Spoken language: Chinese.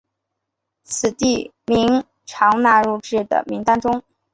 此地名经常纳入至的名单中。